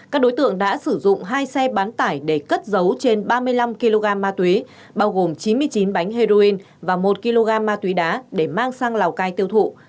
các đối tượng đã sử dụng hai xe bán tải để cất dấu trên ba mươi năm kg ma túy bao gồm chín mươi chín bánh heroin và một kg ma túy đá để mang sang lào cai tiêu thụ